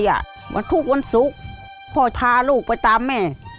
วันทุกวันศุกร์พ่อพาลูกไปตามแม่